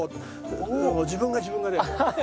自分が自分がで。